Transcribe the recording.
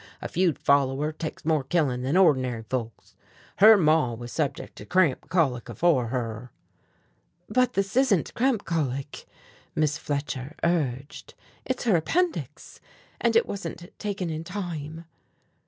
A feud follower teks more killin' then ordinary folks. Her maw was subjec' to cramp colic afore her." "But this isn't cramp colic," Miss Fletcher urged, "it's her appendix, and it wasn't taken in time."